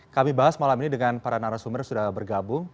kami bahas malam ini dengan para narasumber sudah bergabung